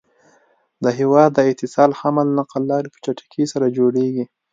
د هيواد د اتصال حمل نقل لاری په چټکی سره جوړيږي